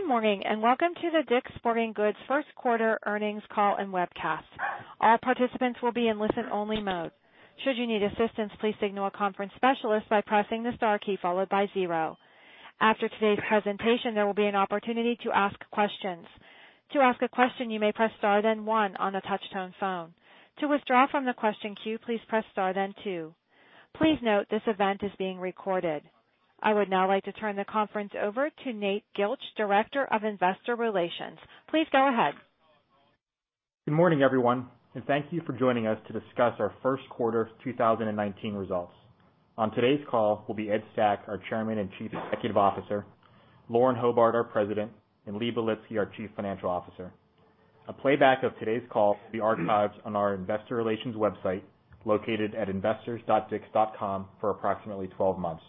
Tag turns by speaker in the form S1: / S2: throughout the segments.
S1: Good morning, welcome to the DICK’S Sporting Goods first quarter earnings call and webcast. All participants will be in listen-only mode. Should you need assistance, please signal a conference specialist by pressing the star key followed by zero. After today's presentation, there will be an opportunity to ask questions. To ask a question, you may press star then one on a touch-tone phone. To withdraw from the question queue, please press star then two. Please note, this event is being recorded. I would now like to turn the conference over to Nate Gilch, Director of Investor Relations. Please go ahead.
S2: Good morning, everyone, thank you for joining us to discuss our first quarter 2019 results. On today's call will be Ed Stack, our Chairman and Chief Executive Officer, Lauren Hobart, our President, and Lee Belitsky, our Chief Financial Officer. A playback of today's call will be archived on our investor relations website, located at investors.dicks.com, for approximately 12 months.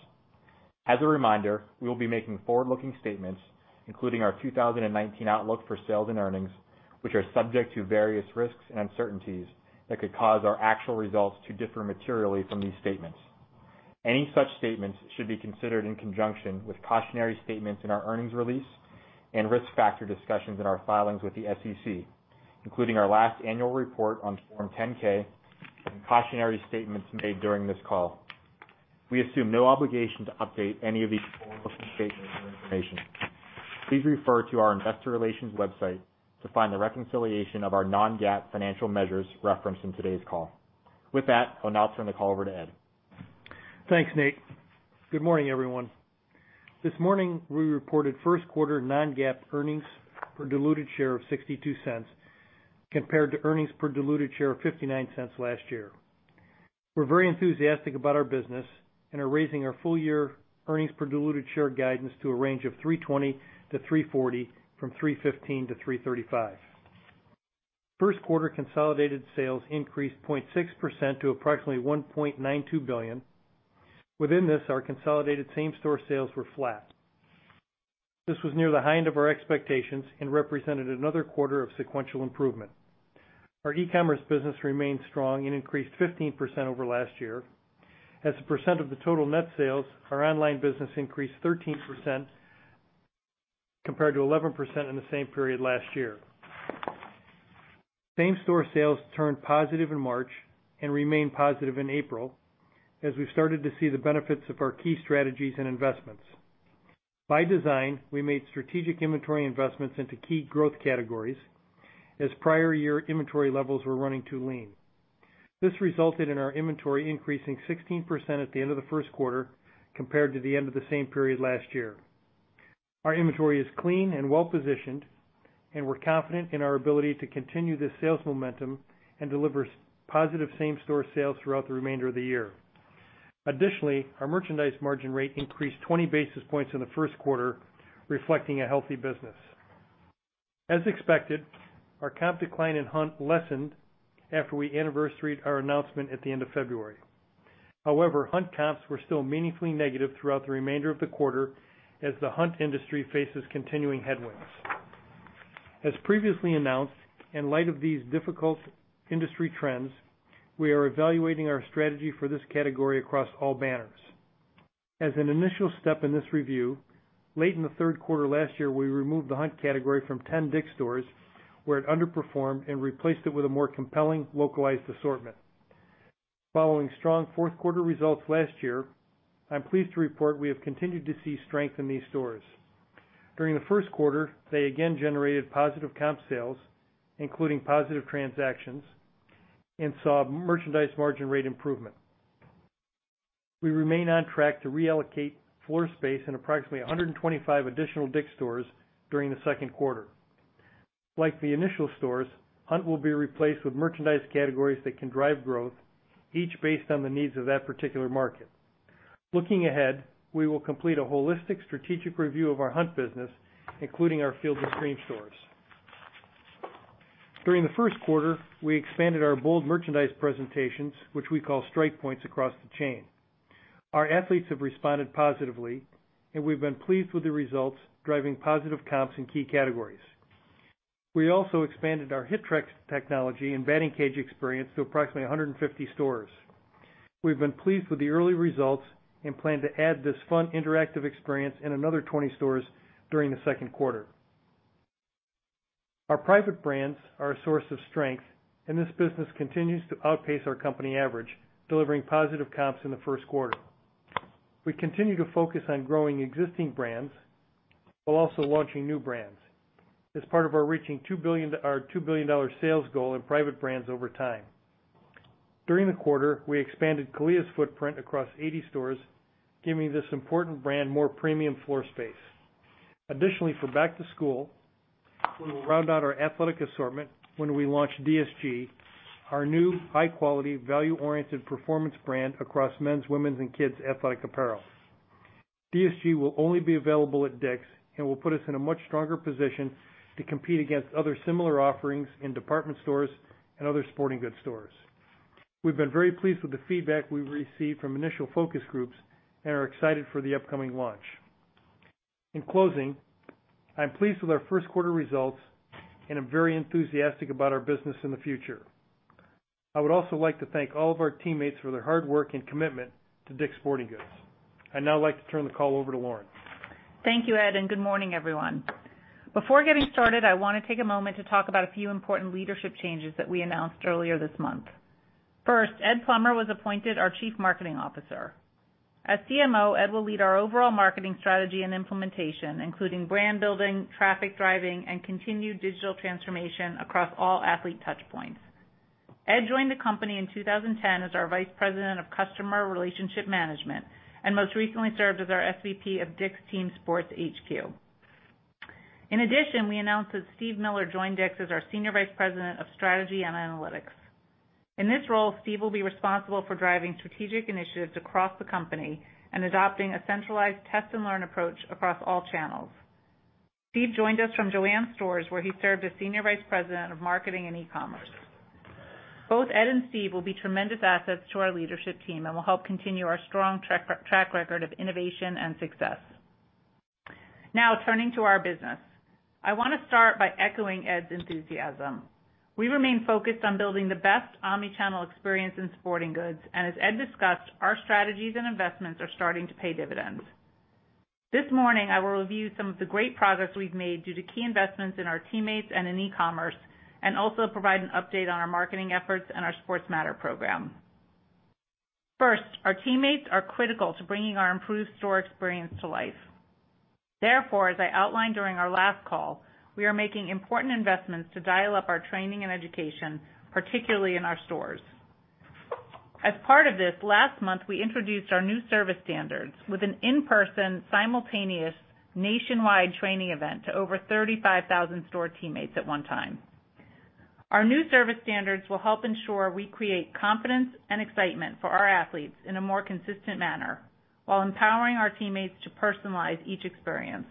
S2: As a reminder, we will be making forward-looking statements, including our 2019 outlook for sales and earnings, which are subject to various risks and uncertainties that could cause our actual results to differ materially from these statements. Any such statements should be considered in conjunction with cautionary statements in our earnings release and risk factor discussions in our filings with the SEC, including our last annual report on Form 10-K and cautionary statements made during this call. We assume no obligation to update any of these forward-looking statements or information. Please refer to our investor relations website to find the reconciliation of our non-GAAP financial measures referenced in today's call. With that, I'll now turn the call over to Ed.
S3: Thanks, Nate. Good morning, everyone. This morning, we reported first quarter non-GAAP earnings per diluted share of $0.62 compared to earnings per diluted share of $0.59 last year. We're very enthusiastic about our business and are raising our full year earnings per diluted share guidance to a range of $3.20-$3.40 from $3.15-$3.35. First quarter consolidated sales increased 0.6% to approximately $1.92 billion. Within this, our consolidated same-store sales were flat. This was near the high end of our expectations and represented another quarter of sequential improvement. Our e-commerce business remained strong and increased 15% over last year. As a percent of the total net sales, our online business increased 13% compared to 11% in the same period last year. Same-store sales turned positive in March and remained positive in April, as we started to see the benefits of our key strategies and investments. By design, we made strategic inventory investments into key growth categories as prior year inventory levels were running too lean. This resulted in our inventory increasing 16% at the end of the first quarter compared to the end of the same period last year. Our inventory is clean and well-positioned, and we're confident in our ability to continue this sales momentum and deliver positive same-store sales throughout the remainder of the year. Additionally, our merchandise margin rate increased 20 basis points in the first quarter, reflecting a healthy business. As expected, our comp decline in hunt lessened after we anniversaried our announcement at the end of February. Hunt comps were still meaningfully negative throughout the remainder of the quarter as the hunt industry faces continuing headwinds. As previously announced, in light of these difficult industry trends, we are evaluating our strategy for this category across all banners. As an initial step in this review, late in the third quarter last year, we removed the hunt category from 10 DICK'S stores where it underperformed and replaced it with a more compelling localized assortment. Following strong fourth quarter results last year, I'm pleased to report we have continued to see strength in these stores. During the first quarter, they again generated positive comp sales, including positive transactions, and saw merchandise margin rate improvement. We remain on track to reallocate floor space in approximately 125 additional DICK'S stores during the second quarter. Like the initial stores, hunt will be replaced with merchandise categories that can drive growth, each based on the needs of that particular market. Looking ahead, we will complete a holistic strategic review of our hunt business, including our Field & Stream stores. During the first quarter, we expanded our bold merchandise presentations, which we call Strike Points, across the chain. Our athletes have responded positively, and we've been pleased with the results, driving positive comps in key categories. We also expanded our HitTrax technology and batting cage experience to approximately 150 stores. We've been pleased with the early results and plan to add this fun, interactive experience in another 20 stores during the second quarter. Our private brands are a source of strength, and this business continues to outpace our company average, delivering positive comps in the first quarter. We continue to focus on growing existing brands while also launching new brands as part of our reaching our $2 billion sales goal in private brands over time. During the quarter, we expanded CALIA's footprint across 80 stores, giving this important brand more premium floor space. Additionally, for back to school, we will round out our athletic assortment when we launch DSG, our new high-quality, value-oriented performance brand across men's, women's, and kids' athletic apparel. DSG will only be available at DICK'S and will put us in a much stronger position to compete against other similar offerings in department stores and other sporting goods stores. We've been very pleased with the feedback we've received from initial focus groups and are excited for the upcoming launch. In closing, I'm pleased with our first quarter results, and I'm very enthusiastic about our business in the future. I would also like to thank all of our teammates for their hard work and commitment to DICK'S Sporting Goods. I'd now like to turn the call over to Lauren.
S4: Thank you, Ed, good morning, everyone. Before getting started, I want to take a moment to talk about a few important leadership changes that we announced earlier this month. First, Ed Plummer was appointed our chief marketing officer. As CMO, Ed will lead our overall marketing strategy and implementation, including brand building, traffic driving, and continued digital transformation across all athlete touchpoints. Ed joined the company in 2010 as our vice president of customer relationship management, and most recently served as our SVP of DICK'S Team Sports HQ. In addition, we announced that Steve Miller joined DICK'S as our senior vice president of strategy and analytics. In this role, Steve will be responsible for driving strategic initiatives across the company and adopting a centralized test-and-learn approach across all channels. Steve joined us from JOANN, where he served as senior vice president of marketing and e-commerce. Both Ed and Steve will be tremendous assets to our leadership team and will help continue our strong track record of innovation and success. Now, turning to our business. I want to start by echoing Ed's enthusiasm. We remain focused on building the best omnichannel experience in sporting goods, as Ed discussed, our strategies and investments are starting to pay dividends. This morning, I will review some of the great progress we've made due to key investments in our teammates and in e-commerce, and also provide an update on our marketing efforts and our Sports Matter program. First, our teammates are critical to bringing our improved store experience to life. Therefore, as I outlined during our last call, we are making important investments to dial up our training and education, particularly in our stores. As part of this, last month, we introduced our new service standards with an in-person, simultaneous, nationwide training event to over 35,000 store teammates at one time. Our new service standards will help ensure we create confidence and excitement for our athletes in a more consistent manner while empowering our teammates to personalize each experience.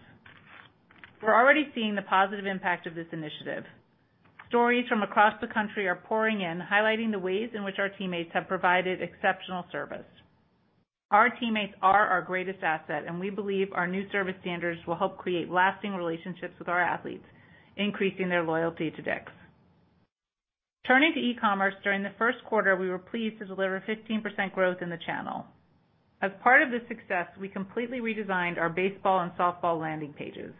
S4: We're already seeing the positive impact of this initiative. Stories from across the country are pouring in, highlighting the ways in which our teammates have provided exceptional service. Our teammates are our greatest asset, and we believe our new service standards will help create lasting relationships with our athletes, increasing their loyalty to DICK'S. Turning to e-commerce, during the first quarter, we were pleased to deliver 15% growth in the channel. As part of this success, we completely redesigned our baseball and softball landing pages.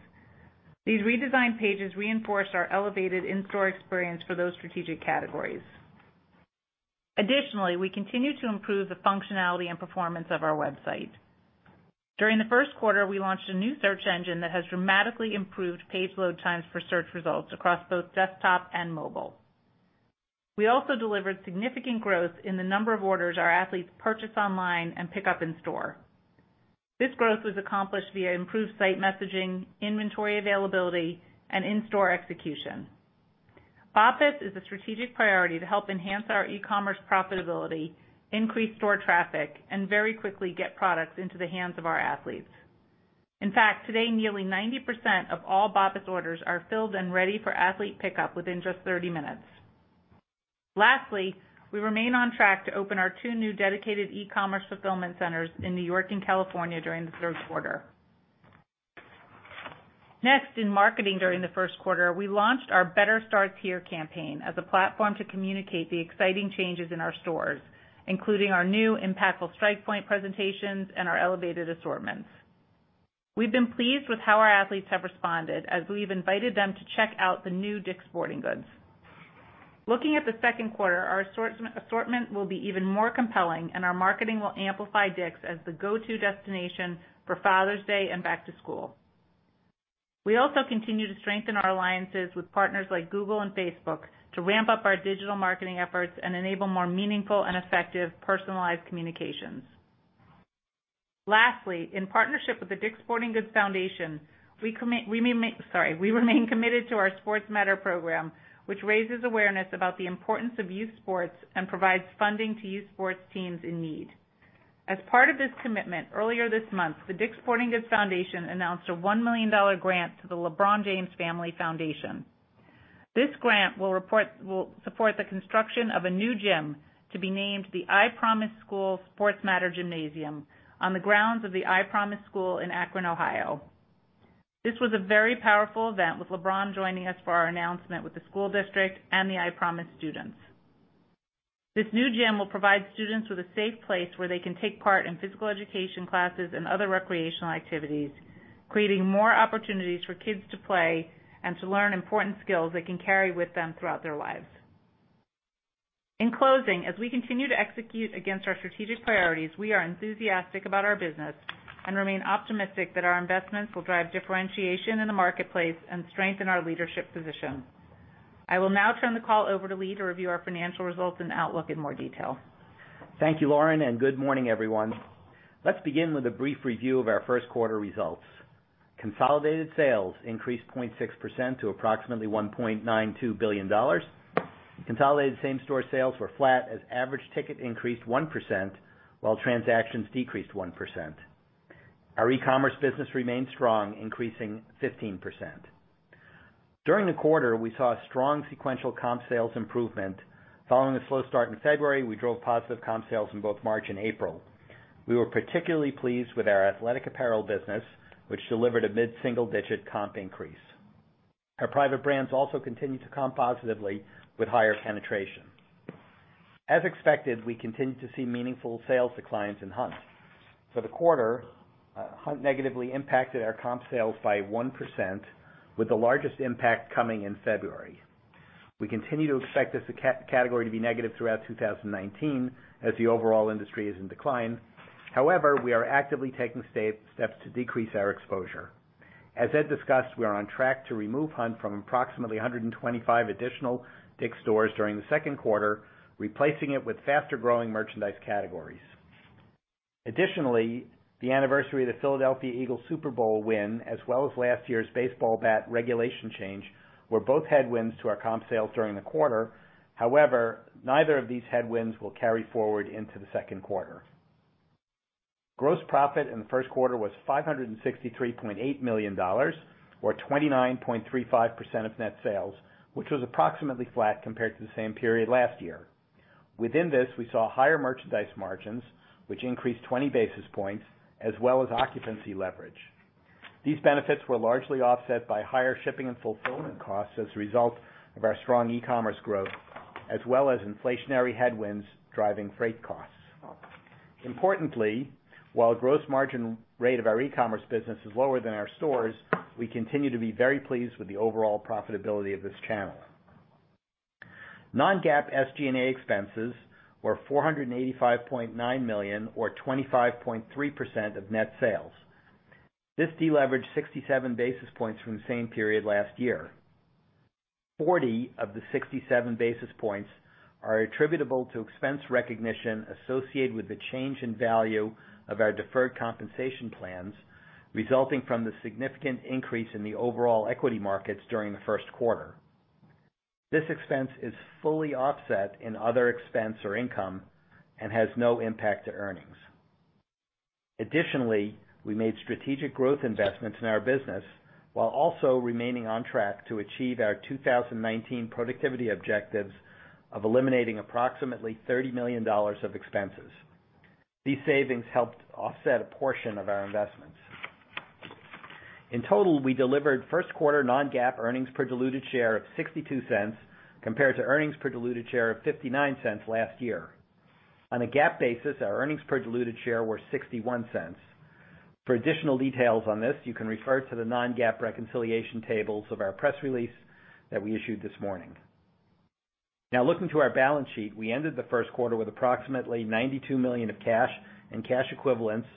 S4: These redesigned pages reinforced our elevated in-store experience for those strategic categories. We continue to improve the functionality and performance of our website. During the first quarter, we launched a new search engine that has dramatically improved page load times for search results across both desktop and mobile. We also delivered significant growth in the number of orders our athletes purchase online and pick up in store. This growth was accomplished via improved site messaging, inventory availability, and in-store execution. BOPIS is a strategic priority to help enhance our e-commerce profitability, increase store traffic, and very quickly get products into the hands of our athletes. In fact, today, nearly 90% of all BOPIS orders are filled and ready for athlete pickup within just 30 minutes. Lastly, we remain on track to open our two new dedicated e-commerce fulfillment centers in N.Y. and California during the third quarter. In marketing during the first quarter, we launched our Better Starts Here campaign as a platform to communicate the exciting changes in our stores, including our new impactful Strike Points presentations and our elevated assortments. We've been pleased with how our athletes have responded as we've invited them to check out the new DICK'S Sporting Goods. Looking at the second quarter, our assortment will be even more compelling, and our marketing will amplify DICK'S as the go-to destination for Father's Day and back to school. We also continue to strengthen our alliances with partners like Google and Facebook to ramp up our digital marketing efforts and enable more meaningful and effective personalized communications. Lastly, in partnership with The DICK'S Sporting Goods Foundation, we remain committed to our Sports Matter program, which raises awareness about the importance of youth sports and provides funding to youth sports teams in need. As part of this commitment, earlier this month, The DICK'S Sporting Goods Foundation announced a $1 million grant to the LeBron James Family Foundation. This grant will support the construction of a new gym to be named the I PROMISE School Sports Matter Gymnasium on the grounds of the I PROMISE School in Akron, Ohio. This was a very powerful event, with LeBron joining us for our announcement with the school district and the I PROMISE students. This new gym will provide students with a safe place where they can take part in physical education classes and other recreational activities, creating more opportunities for kids to play and to learn important skills they can carry with them throughout their lives. In closing, as we continue to execute against our strategic priorities, we are enthusiastic about our business and remain optimistic that our investments will drive differentiation in the marketplace and strengthen our leadership position. I will now turn the call over to Lee to review our financial results and outlook in more detail.
S5: Thank you, Lauren, and good morning, everyone. Let's begin with a brief review of our first quarter results. Consolidated sales increased 0.6% to approximately $1.92 billion. Consolidated same-store sales were flat as average ticket increased 1%, while transactions decreased 1%. Our e-commerce business remained strong, increasing 15%. During the quarter, we saw a strong sequential comp sales improvement. Following a slow start in February, we drove positive comp sales in both March and April. We were particularly pleased with our athletic apparel business, which delivered a mid-single-digit comp increase. Our private brands also continue to comp positively with higher penetration. As expected, we continue to see meaningful sales declines in hunt. For the quarter, hunt negatively impacted our comp sales by 1%, with the largest impact coming in February. We continue to expect this category to be negative throughout 2019 as the overall industry is in decline. We are actively taking steps to decrease our exposure. As Ed discussed, we are on track to remove hunt from approximately 125 additional DICK'S stores during the second quarter, replacing it with faster-growing merchandise categories. Additionally, the anniversary of the Philadelphia Eagles Super Bowl win, as well as last year's baseball bat regulation change, were both headwinds to our comp sales during the quarter. Neither of these headwinds will carry forward into the second quarter. Gross profit in the first quarter was $563.8 million, or 29.35% of net sales, which was approximately flat compared to the same period last year. Within this, we saw higher merchandise margins, which increased 20 basis points, as well as occupancy leverage. These benefits were largely offset by higher shipping and fulfillment costs as a result of our strong e-commerce growth, as well as inflationary headwinds driving freight costs. Importantly, while gross margin rate of our e-commerce business is lower than our stores, we continue to be very pleased with the overall profitability of this channel. non-GAAP SG&A expenses were $485.9 million, or 25.3% of net sales. This deleveraged 67 basis points from the same period last year. 40 of the 67 basis points are attributable to expense recognition associated with the change in value of our deferred compensation plans, resulting from the significant increase in the overall equity markets during the first quarter. This expense is fully offset in other expense or income and has no impact to earnings. Additionally, we made strategic growth investments in our business while also remaining on track to achieve our 2019 productivity objectives of eliminating approximately $30 million of expenses. These savings helped offset a portion of our investments. In total, we delivered first quarter non-GAAP earnings per diluted share of $0.62, compared to earnings per diluted share of $0.59 last year. On a GAAP basis, our earnings per diluted share were $0.61. For additional details on this, you can refer to the non-GAAP reconciliation tables of our press release that we issued this morning. Now looking to our balance sheet, we ended the first quarter with approximately $92 million of cash and cash equivalents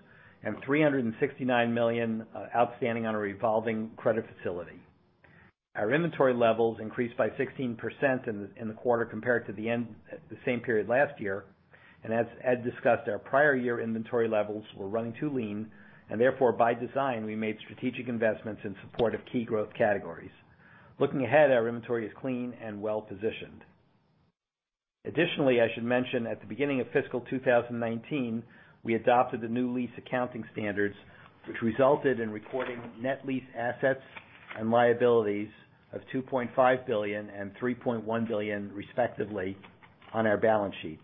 S5: and $369 million outstanding on our revolving credit facility. Our inventory levels increased by 16% in the quarter compared to the same period last year. As Ed discussed, our prior year inventory levels were running too lean, and therefore, by design, we made strategic investments in support of key growth categories. Looking ahead, our inventory is clean and well-positioned. I should mention at the beginning of fiscal 2019, we adopted the new lease accounting standards, which resulted in recording net lease assets and liabilities of $2.5 billion and $3.1 billion, respectively, on our balance sheet.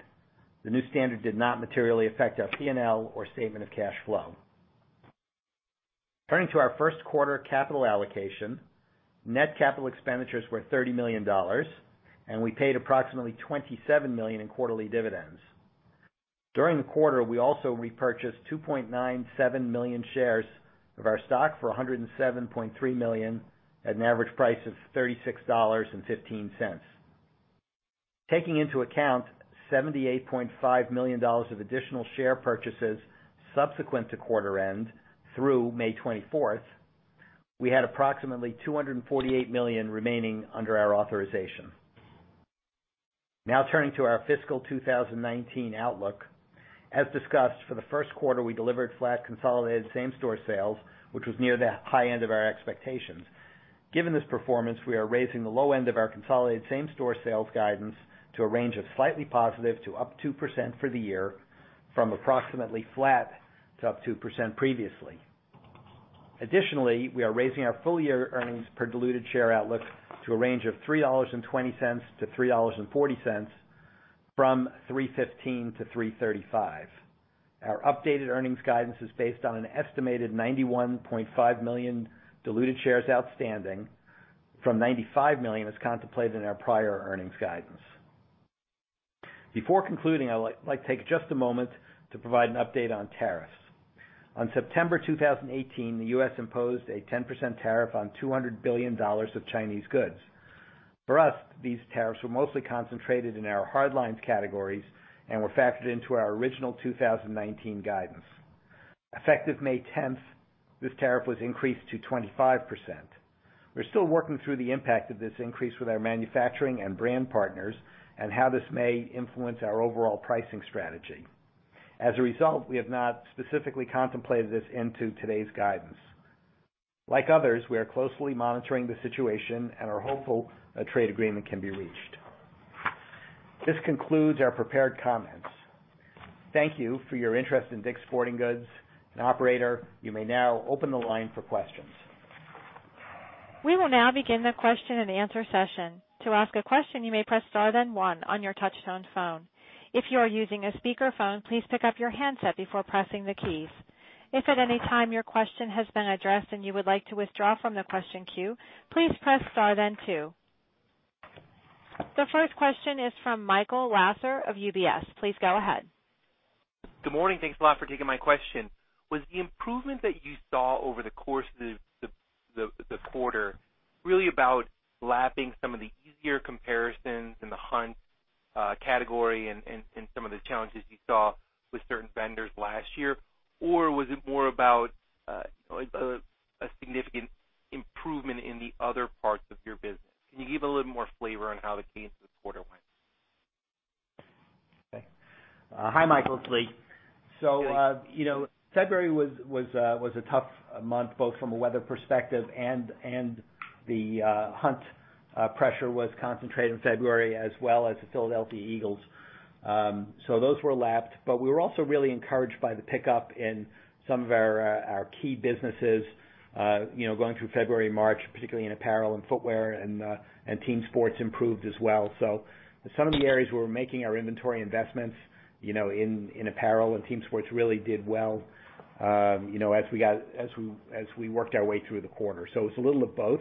S5: The new standard did not materially affect our P&L or statement of cash flow. Turning to our first quarter capital allocation, net capital expenditures were $30 million, and we paid approximately $27 million in quarterly dividends. During the quarter, we also repurchased 2.97 million shares of our stock for $107.3 million at an average price of $36.15. Taking into account $78.5 million of additional share purchases subsequent to quarter end through May 24th, we had approximately $248 million remaining under our authorization. Turning to our fiscal 2019 outlook. As discussed, for the first quarter, we delivered flat consolidated same-store sales, which was near the high end of our expectations. Given this performance, we are raising the low end of our consolidated same-store sales guidance to a range of slightly positive to up 2% for the year, from approximately flat to up 2% previously. We are raising our full-year earnings per diluted share outlook to a range of $3.20 to $3.40 from $3.15 to $3.35. Our updated earnings guidance is based on an estimated 91.5 million diluted shares outstanding from 95 million as contemplated in our prior earnings guidance. Before concluding, I would like to take just a moment to provide an update on tariffs. On September 2018, the U.S. imposed a 10% tariff on $200 billion of Chinese goods. For us, these tariffs were mostly concentrated in our hard lines categories and were factored into our original 2019 guidance. Effective May 10th, this tariff was increased to 25%. We're still working through the impact of this increase with our manufacturing and brand partners and how this may influence our overall pricing strategy. As a result, we have not specifically contemplated this into today's guidance. Like others, we are closely monitoring the situation and are hopeful a trade agreement can be reached. This concludes our prepared comments. Thank you for your interest in DICK'S Sporting Goods. Operator, you may now open the line for questions.
S1: We will now begin the question and answer session. To ask a question, you may press star, then one on your touchtone phone. If you are using a speakerphone, please pick up your handset before pressing the keys. If at any time your question has been addressed and you would like to withdraw from the question queue, please press star then two. The first question is from Michael Lasser of UBS. Please go ahead.
S6: Good morning. Thanks a lot for taking my question. Was the improvement that you saw over the course of the quarter really about lapping some of the easier comparisons in the hunt category and some of the challenges you saw with certain vendors last year, or was it more about a significant improvement in the other parts of your business? Can you give a little more flavor on how the key to the quarter went?
S5: Hi, Michael. It's Lee. Hey. February was a tough month, both from a weather perspective and the hunt pressure was concentrated in February as well as the Philadelphia Eagles. Those were lapped. We were also really encouraged by the pickup in some of our key businesses, going through February, March, particularly in apparel and footwear, and team sports improved as well. Some of the areas where we're making our inventory investments, in apparel and team sports really did well as we worked our way through the quarter. It's a little of both.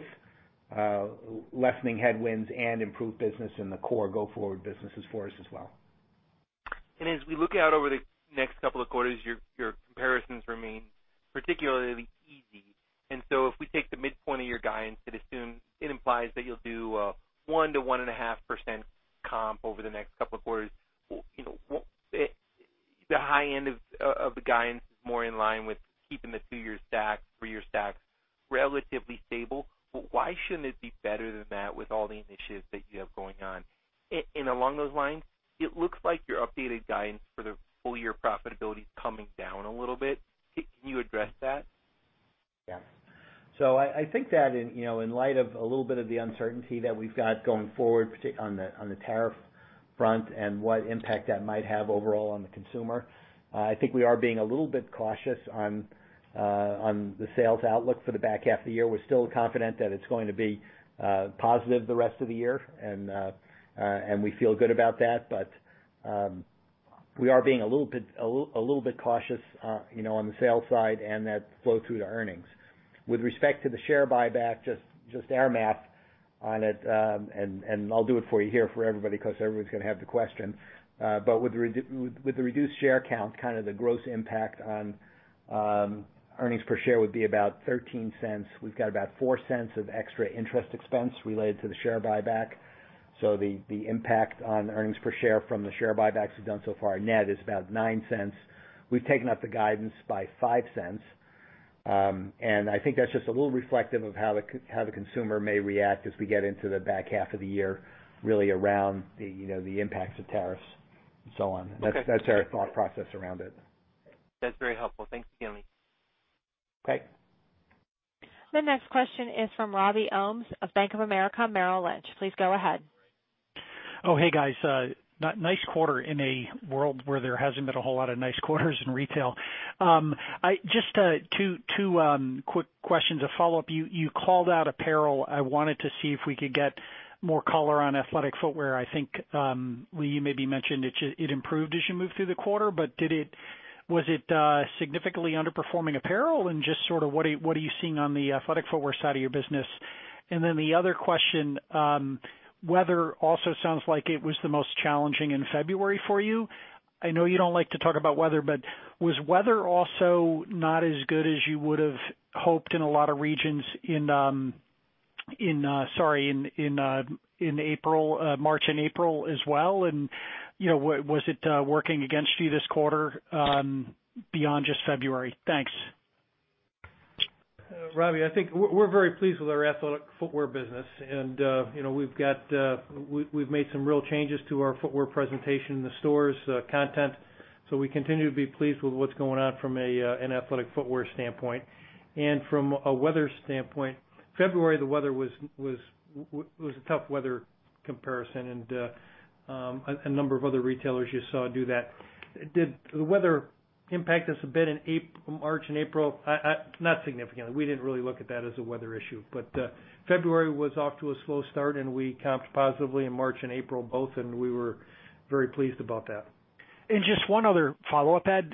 S5: Lessening headwinds and improved business in the core go-forward businesses for us as well.
S6: As we look out over the next couple of quarters, your comparisons remain particularly easy. If we take the midpoint of your guidance, it implies that you'll do a 1%-1.5% comp over the next couple of quarters. The high end of the guidance is more in line with keeping the two-year stack, three-year stacks relatively stable. Why shouldn't it be better than that with all the initiatives that you have going on? Along those lines, it looks like your updated guidance for the full year profitability is coming down a little bit. Can you address that?
S5: Yeah. I think that in light of a little bit of the uncertainty that we've got going forward, on the tariff front, and what impact that might have overall on the consumer, I think we are being a little bit cautious on the sales outlook for the back half of the year. We're still confident that it's going to be positive the rest of the year, and we feel good about that. We are being a little bit cautious on the sales side and that flow through to earnings. With respect to the share buyback, just our math on it, and I'll do it for you here for everybody because everybody's going to have the question. With the reduced share count, the gross impact on earnings per share would be about $0.13. We've got about $0.04 of extra interest expense related to the share buyback. The impact on earnings per share from the share buybacks we've done so far, net is about $0.09. We've taken up the guidance by $0.05. I think that's just a little reflective of how the consumer may react as we get into the back half of the year, really around the impacts of tariffs and so on. Okay. That's our thought process around it.
S6: That's very helpful. Thanks again, Lee.
S3: Okay.
S1: The next question is from Robert Ohmes of Bank of America Merrill Lynch. Please go ahead.
S7: Oh, hey, guys. Nice quarter in a world where there hasn't been a whole lot of nice quarters in retail. Just two quick questions to follow up. You called out apparel. I wanted to see if we could get more color on athletic footwear. I think, Lee, you maybe mentioned it improved as you moved through the quarter, was it significantly underperforming apparel? Just sort of what are you seeing on the athletic footwear side of your business? The other question, weather also sounds like it was the most challenging in February for you. I know you don't like to talk about weather, was weather also not as good as you would have hoped in a lot of regions in March and April as well, and was it working against you this quarter beyond just February? Thanks.
S3: Robbie, I think we're very pleased with our athletic footwear business. We've made some real changes to our footwear presentation in the stores content. We continue to be pleased with what's going on from an athletic footwear standpoint. From a weather standpoint, February, the weather was a tough weather comparison, and a number of other retailers you saw do that. Did the weather impact us a bit in March and April? Not significantly. We didn't really look at that as a weather issue. February was off to a slow start, and we comped positively in March and April both, and we were very pleased about that.
S7: Just one other follow-up, Ed.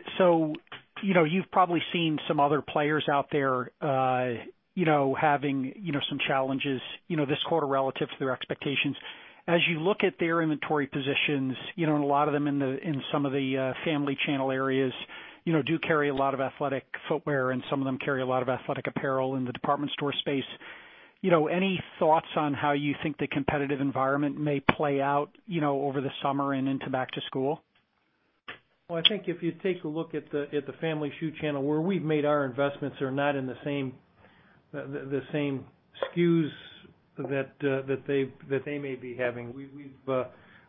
S7: You've probably seen some other players out there having some challenges this quarter relative to their expectations. As you look at their inventory positions, and a lot of them in some of the family channel areas do carry a lot of athletic footwear, and some of them carry a lot of athletic apparel in the department store space. Any thoughts on how you think the competitive environment may play out over the summer and into back to school?
S3: Well, I think if you take a look at the family shoe channel, where we've made our investments are not in the same SKUs that they may be having.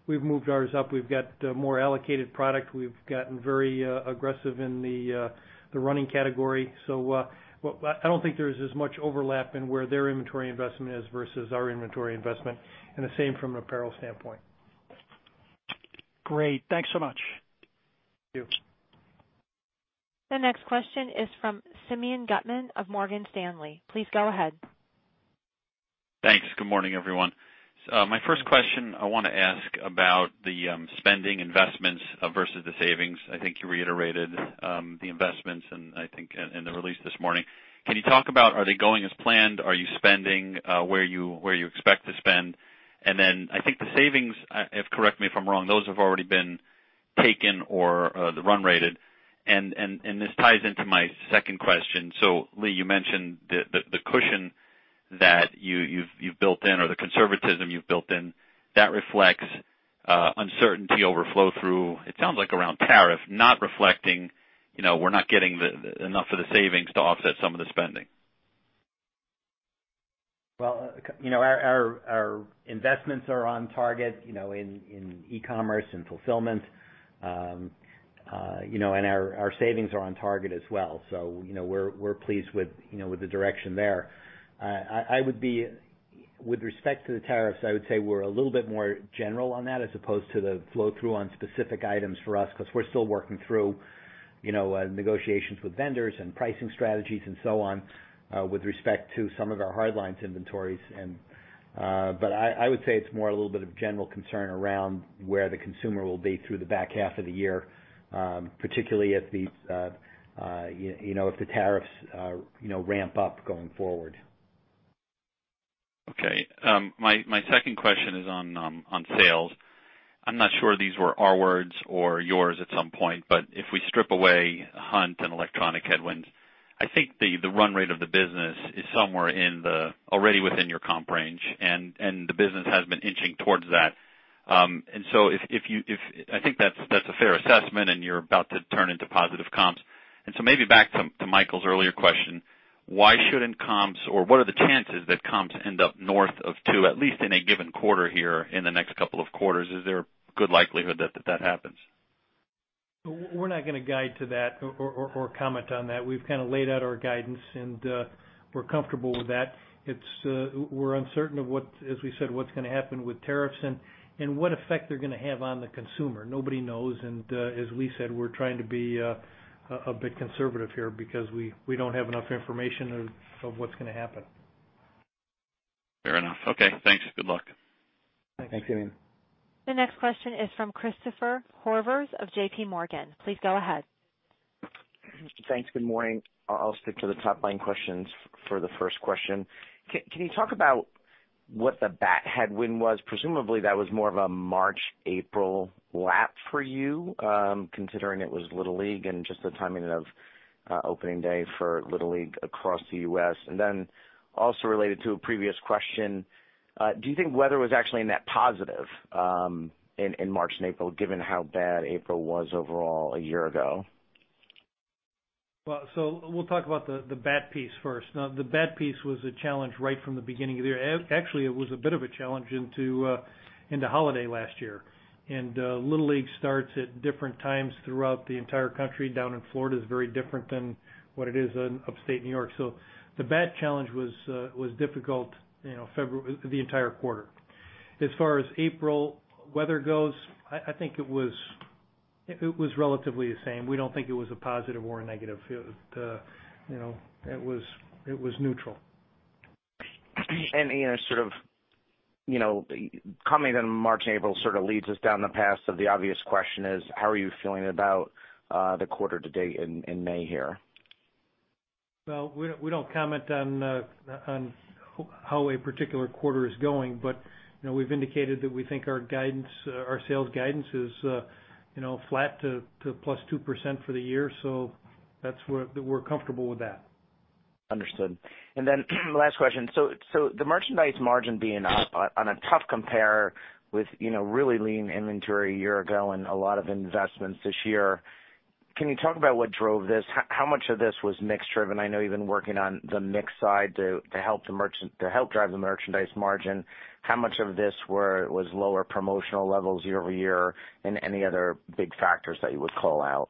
S3: We've moved ours up. We've got more allocated product. We've gotten very aggressive in the running category. I don't think there's as much overlap in where their inventory investment is versus our inventory investment, and the same from an apparel standpoint.
S7: Great. Thanks so much.
S3: Thank you.
S1: The next question is from Simeon Gutman of Morgan Stanley. Please go ahead.
S8: Thanks. Good morning, everyone. My first question, I want to ask about the spending investments versus the savings. I think you reiterated the investments, I think in the release this morning. Can you talk about, are they going as planned? Are you spending where you expect to spend? I think the savings, correct me if I'm wrong, those have already been taken or the run rated. This ties into my second question. Lee, you mentioned the cushion that you've built in or the conservatism you've built in that reflects uncertainty overflow through, it sounds like around tariff, not reflecting, we're not getting enough of the savings to offset some of the spending.
S5: Our investments are on target, in e-commerce, in fulfillment, and our savings are on target as well. We're pleased with the direction there. With respect to the tariffs, I would say we're a little bit more general on that as opposed to the flow-through on specific items for us, because we're still working through negotiations with vendors and pricing strategies, and so on, with respect to some of our hard line inventories. I would say it's more a little bit of general concern around where the consumer will be through the back half of the year. Particularly if the tariffs ramp up going forward.
S8: Okay. My second question is on sales. I'm not sure these were our words or yours at some point, if we strip away hunt and electronic headwinds, I think the run rate of the business is somewhere already within your comp range, and the business has been inching towards that. I think that's a fair assessment, and you're about to turn into positive comps. Maybe back to Michael's earlier question, why shouldn't comps or what are the chances that comps end up north of 2, at least in a given quarter here in the next couple of quarters? Is there a good likelihood that that happens?
S3: We're not going to guide to that or comment on that. We've kind of laid out our guidance, and we're comfortable with that. We're uncertain of what, as we said, what's going to happen with tariffs and what effect they're going to have on the consumer. Nobody knows, as Lee said, we're trying to be a bit conservative here because we don't have enough information of what's going to happen.
S8: Fair enough. Okay, thanks. Good luck.
S3: Thanks.
S5: Thanks, Simeon.
S1: The next question is from Christopher Horvers of JPMorgan. Please go ahead.
S9: Thanks. Good morning. I'll stick to the top-line questions for the first question. Can you talk about what the bat headwind was? Presumably, that was more of a March, April lap for you, considering it was Little League and just the timing of opening day for Little League across the U.S. Also related to a previous question, do you think weather was actually a net positive in March and April, given how bad April was overall a year ago?
S3: We'll talk about the bat piece first. The bat piece was a challenge right from the beginning of the year. It was a bit of a challenge into holiday last year. Little League starts at different times throughout the entire country. Down in Florida is very different than what it is in upstate New York. The bat challenge was difficult the entire quarter. As far as April weather goes, I think it was relatively the same. We don't think it was a positive or a negative. It was neutral.
S9: Commenting on March and April sort of leads us down the path. The obvious question is, how are you feeling about the quarter to date in May here?
S3: We don't comment on how a particular quarter is going, but we've indicated that we think our sales guidance is flat to +2% for the year. That's where we're comfortable with that.
S9: Understood. Last question. The merchandise margin being up on a tough compare with really lean inventory a year ago and a lot of investments this year, can you talk about what drove this? How much of this was mix driven? I know you've been working on the mix side to help drive the merchandise margin. How much of this was lower promotional levels year-over-year and any other big factors that you would call out?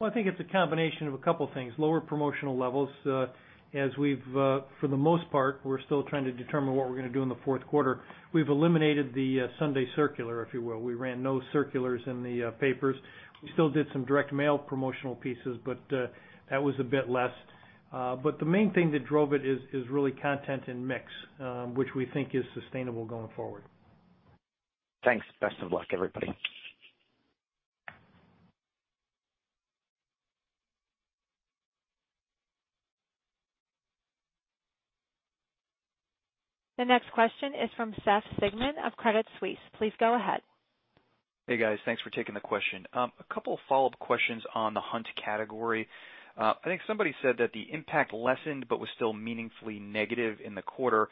S3: I think it's a combination of a couple things. Lower promotional levels. For the most part, we're still trying to determine what we're going to do in the fourth quarter. We've eliminated the Sunday circular, if you will. We ran no circulars in the papers. We still did some direct mail promotional pieces, but that was a bit less. The main thing that drove it is really content and mix, which we think is sustainable going forward.
S9: Thanks. Best of luck, everybody.
S1: The next question is from Seth Sigman of Credit Suisse. Please go ahead.
S10: Hey, guys. Thanks for taking the question. A couple of follow-up questions on the hunt category. I think somebody said that the impact lessened but was still meaningfully negative in the quarter.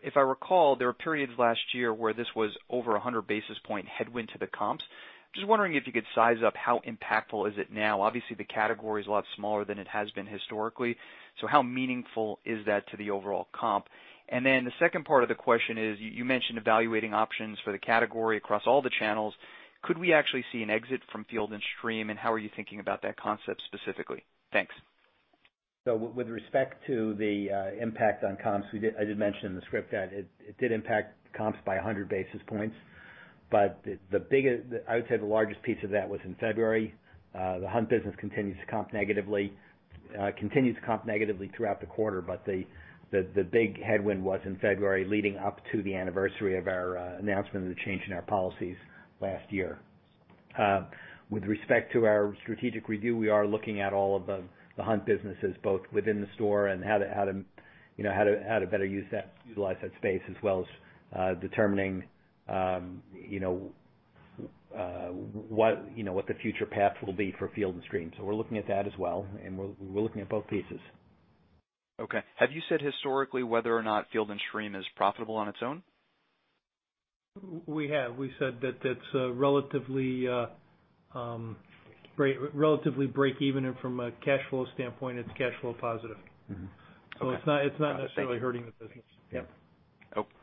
S10: If I recall, there were periods last year where this was over 100 basis points headwind to the comps. Just wondering if you could size up how impactful is it now. Obviously, the category is a lot smaller than it has been historically. How meaningful is that to the overall comp? The second part of the question is, you mentioned evaluating options for the category across all the channels. Could we actually see an exit from Field & Stream, and how are you thinking about that concept specifically? Thanks.
S5: With respect to the impact on comps, I did mention in the script that it did impact comps by 100 basis points. I would say the largest piece of that was in February. The hunt business continues to comp negatively throughout the quarter. The big headwind was in February leading up to the anniversary of our announcement of the change in our policies last year. With respect to our strategic review, we are looking at all of the hunt businesses, both within the store and how to better utilize that space, as well as determining what the future path will be for Field & Stream. We're looking at that as well, and we're looking at both pieces.
S10: Okay. Have you said historically whether or not Field & Stream is profitable on its own?
S3: We have. We said that it's relatively break-even and from a cash flow standpoint, it's cash flow positive.
S10: Mm-hmm. Okay.
S3: It's not necessarily hurting the business. Yep.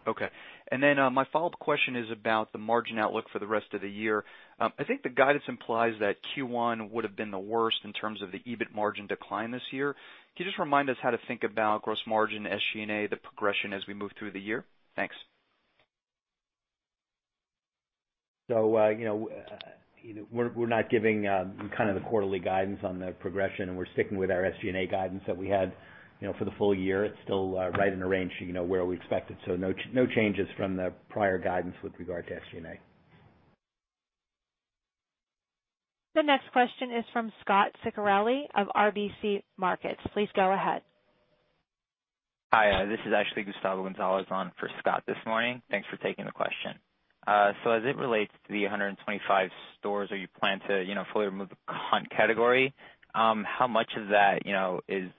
S10: Okay. My follow-up question is about the margin outlook for the rest of the year. I think the guidance implies that Q1 would have been the worst in terms of the EBIT margin decline this year. Can you just remind us how to think about gross margin, SG&A, the progression as we move through the year? Thanks.
S5: We're not giving kind of the quarterly guidance on the progression, we're sticking with our SG&A guidance that we had for the full year. It's still right in the range where we expected. No changes from the prior guidance with regard to SG&A.
S1: The next question is from Scot Ciccarelli of RBC Capital Markets. Please go ahead.
S11: Hi, this is actually Gustavo Gonzalez on for Scot this morning. Thanks for taking the question. As it relates to the 125 stores where you plan to fully remove the hunt category, how much of that is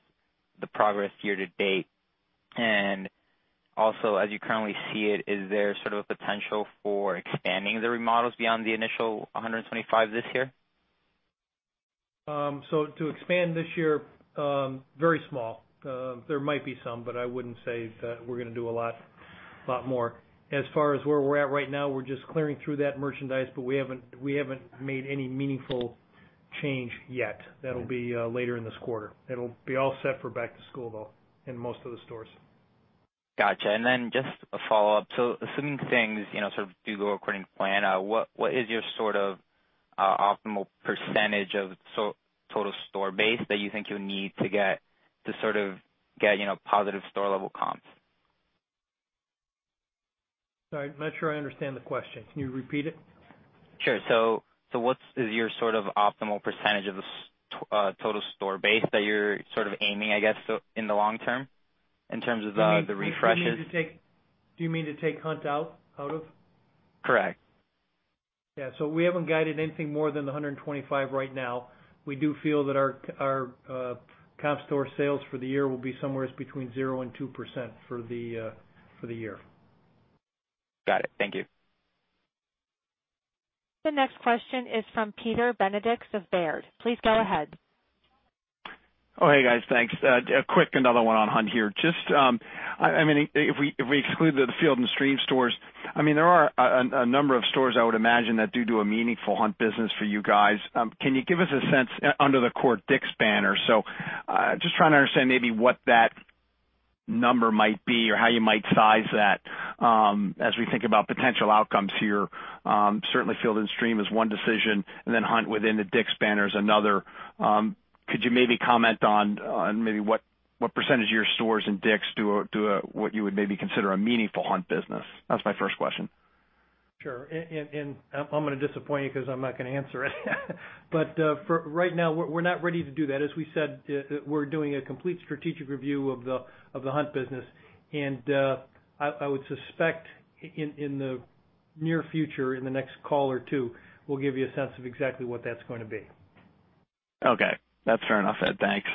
S11: the progress year to date? Also, as you currently see it, is there sort of a potential for expanding the remodels beyond the initial 125 this year?
S3: To expand this year, very small. There might be some, but I wouldn't say that we're going to do a lot more. As far as where we're at right now, we're just clearing through that merchandise, but we haven't made any meaningful change yet. That'll be later in this quarter. It'll be all set for back to school, though, in most of the stores.
S11: Got you. Just a follow-up. Assuming things sort of do go according to plan, what is your sort of optimal % of total store base that you think you'll need to sort of get positive store level comps?
S3: Sorry, I'm not sure I understand the question. Can you repeat it?
S11: Sure. What is your sort of optimal percentage of the total store base that you're sort of aiming, I guess, in the long term in terms of the refreshes?
S3: Do you mean to take hunt out of?
S11: Correct.
S3: Yeah. We haven't guided anything more than the 125 right now. We do feel that our comp store sales for the year will be somewhere between zero and 2% for the year.
S11: Got it. Thank you.
S1: The next question is from Peter Benedict of Baird. Please go ahead.
S12: Oh, hey guys. Thanks. A quick, another one on hunt here. Just, if we exclude the Field & Stream stores, there are a number of stores I would imagine that do meaningful hunt business for you guys. Can you give us a sense under the core DICK’S banner? Just trying to understand maybe what that number might be or how you might size that as we think about potential outcomes here. Certainly Field & Stream is one decision, then hunt within the DICK’S banner is another. Could you maybe comment on maybe what percentage of your stores in DICK’S do what you would maybe consider a meaningful hunt business? That's my first question.
S3: Sure. I'm going to disappoint you because I'm not going to answer it. For right now, we're not ready to do that. As we said, we're doing a complete strategic review of the hunt business, I would suspect in the near future, in the next call or two, we'll give you a sense of exactly what that's going to be.
S12: Okay. That's fair enough then. Thanks.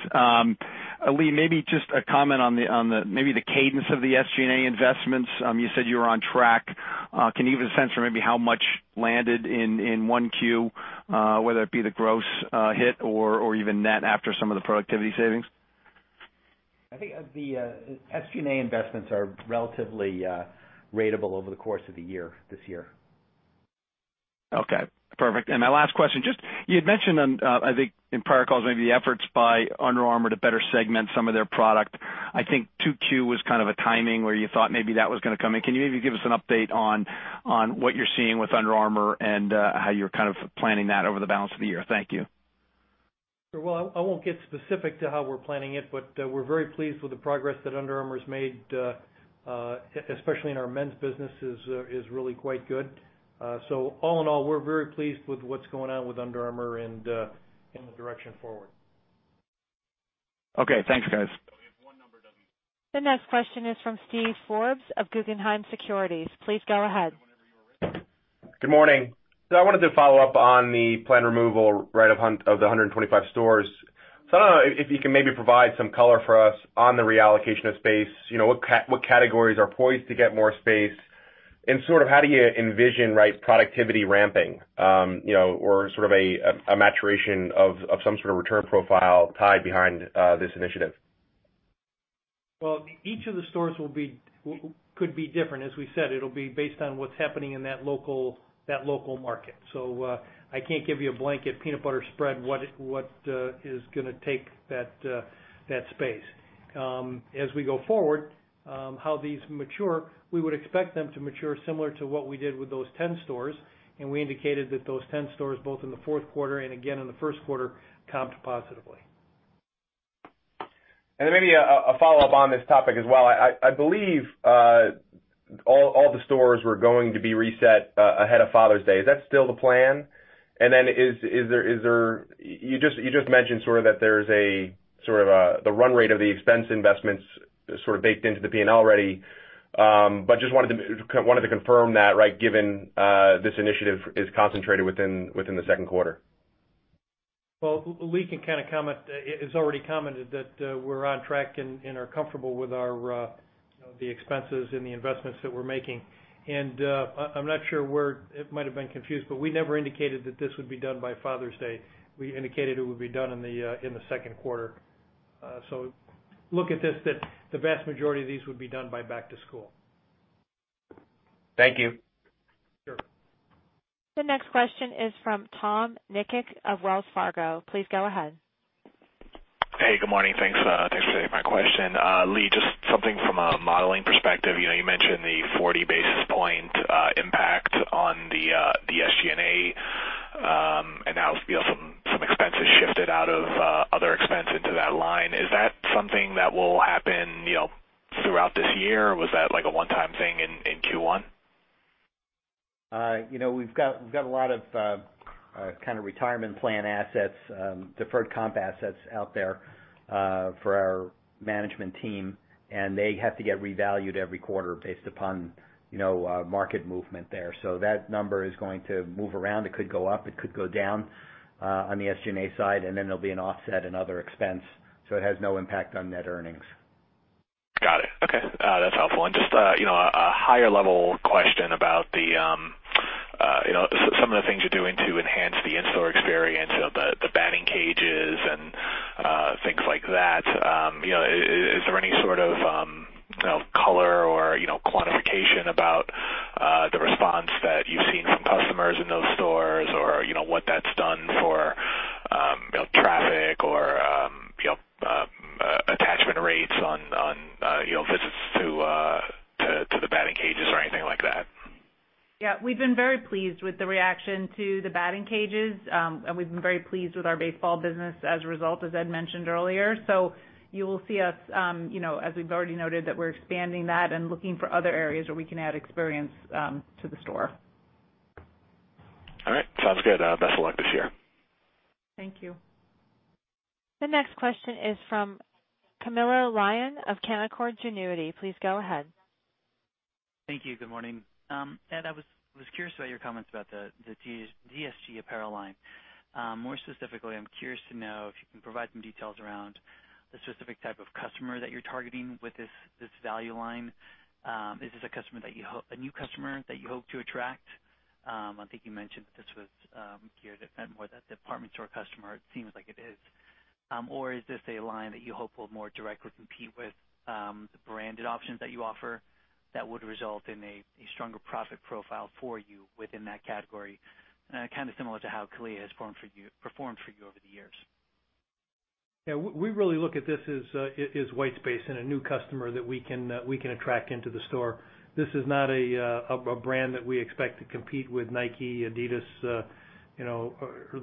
S12: Lee, maybe just a comment on maybe the cadence of the SG&A investments. You said you were on track. Can you give a sense for maybe how much landed in 1 Q, whether it be the gross hit or even net after some of the productivity savings?
S5: I think the SG&A investments are relatively ratable over the course of the year, this year.
S12: Okay, perfect. My last question, just, you had mentioned, I think in prior calls, maybe the efforts by Under Armour to better segment some of their product. I think 2Q was kind of a timing where you thought maybe that was going to come in. Can you maybe give us an update on what you're seeing with Under Armour and how you're kind of planning that over the balance of the year? Thank you.
S3: Sure. Well, I won't get specific to how we're planning it, but we're very pleased with the progress that Under Armour has made, especially in our men's business, is really quite good. All in all, we're very pleased with what's going on with Under Armour and the direction forward.
S12: Okay. Thanks, guys.
S1: The next question is from Steven Forbes of Guggenheim Securities. Please go ahead.
S13: Good morning. I wanted to follow up on the planned removal, right, of the 125 stores. I don't know if you can maybe provide some color for us on the reallocation of space. What categories are poised to get more space, and sort of how do you envision productivity ramping or sort of a maturation of some sort of return profile tied behind this initiative?
S3: Well, each of the stores could be different. As we said, it will be based on what is happening in that local market. I can't give you a blanket peanut butter spread, what is going to take that space. As we go forward, how these mature, we would expect them to mature similar to what we did with those 10 stores, and we indicated that those 10 stores, both in the fourth quarter and again in the first quarter, comped positively.
S13: Maybe a follow-up on this topic as well. I believe all the stores were going to be reset ahead of Father's Day. Is that still the plan? You just mentioned sort of that there's a sort of the run rate of the expense investments sort of baked into the P&L already. Just wanted to confirm that, given this initiative is concentrated within the second quarter.
S3: Well, Lee has already commented that we're on track and are comfortable with the expenses and the investments that we're making. I'm not sure where it might have been confused, we never indicated that this would be done by Father's Day. We indicated it would be done in the second quarter. Look at this, that the vast majority of these would be done by back to school.
S13: Thank you.
S3: Sure.
S1: The next question is from Tom Nikic of Wells Fargo. Please go ahead.
S14: Hey, good morning. Thanks for taking my question. Lee, just something from a modeling perspective. You mentioned the 40 basis point impact on the SG&A, how some expenses shifted out of other expense into that line. Is that something that will happen throughout this year, or was that a one-time thing in Q1?
S5: We've got a lot of retirement plan assets, deferred comp assets out there for our management team, and they have to get revalued every quarter based upon market movement there. That number is going to move around. It could go up, it could go down on the SG&A side, and then there'll be an offset and other expense, so it has no impact on net earnings.
S14: Got it. Okay. That's helpful. Just a higher level question about some of the things you're doing to enhance the in-store experience, the batting cages and things like that. Is there any sort of color or quantification about the response that you've seen from customers in those stores or what that's done for traffic or attachment rates on visits to the batting cages or anything like that?
S4: Yeah. We've been very pleased with the reaction to the batting cages. We've been very pleased with our baseball business as a result, as Ed mentioned earlier. You will see us, as we've already noted, that we're expanding that and looking for other areas where we can add experience to the store.
S14: All right. Sounds good. Best of luck this year.
S4: Thank you.
S1: The next question is from Camilo Lyon of Canaccord Genuity. Please go ahead.
S15: Thank you. Good morning. Ed, I was curious about your comments about the DSG apparel line. More specifically, I'm curious to know if you can provide some details around the specific type of customer that you're targeting with this value line. Is this a new customer that you hope to attract? I think you mentioned that this was geared more at the department store customer. It seems like it is. Or is this a line that you hope will more directly compete with the branded options that you offer that would result in a stronger profit profile for you within that category? Kind of similar to how CALIA has performed for you over the years.
S3: Yeah. We really look at this as white space and a new customer that we can attract into the store. This is not a brand that we expect to compete with Nike, Adidas,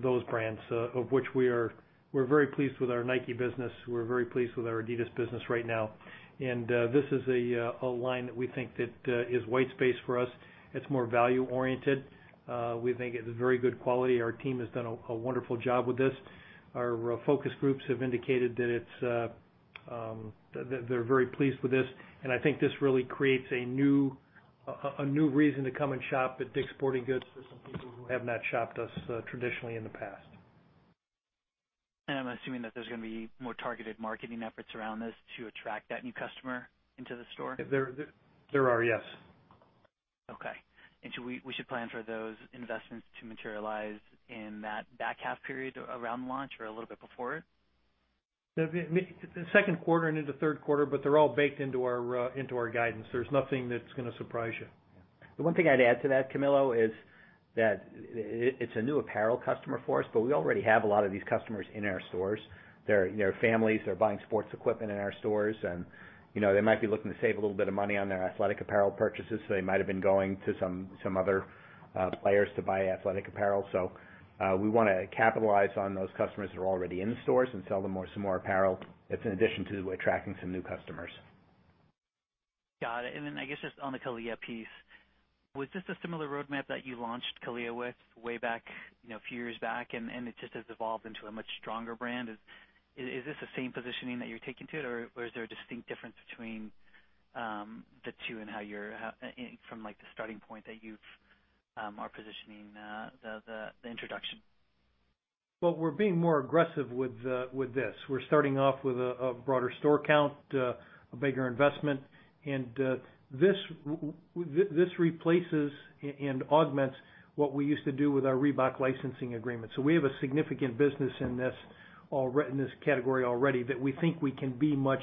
S3: those brands, of which we're very pleased with our Nike business. We're very pleased with our Adidas business right now. This is a line that we think that is white space for us. It's more value oriented. We think it is very good quality. Our team has done a wonderful job with this. Our focus groups have indicated that they're very pleased with this, and I think this really creates a new reason to come and shop at DICK'S Sporting Goods for some people who have not shopped us traditionally in the past.
S15: I am assuming that there is going to be more targeted marketing efforts around this to attract that new customer into the store.
S3: There are, yes.
S15: Okay. We should plan for those investments to materialize in that back half period around launch or a little bit before it?
S3: The second quarter and into third quarter, but they are all baked into our guidance. There is nothing that is going to surprise you.
S5: The one thing I'd add to that, Camilo, is that it's a new apparel customer for us. We already have a lot of these customers in our stores. Their families are buying sports equipment in our stores, and they might be looking to save a little bit of money on their athletic apparel purchases. They might've been going to some other players to buy athletic apparel. We want to capitalize on those customers that are already in the stores and sell them some more apparel. It's in addition to attracting some new customers.
S15: Got it. I guess just on the CALIA piece, was this a similar roadmap that you launched CALIA with way back, a few years back? It just has evolved into a much stronger brand? Is this the same positioning that you're taking to it, or is there a distinct difference between the two and from the starting point that you are positioning the introduction?
S3: Well, we're being more aggressive with this. We're starting off with a broader store count, a bigger investment. This replaces and augments what we used to do with our Reebok licensing agreement. We have a significant business in this category already that we think can be much